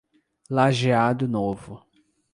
Lajeado Novo